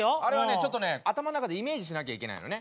ちょっとね頭の中でイメージしなきゃいけないのね。